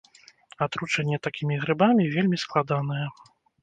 Атручэнне такімі грыбамі вельмі складанае.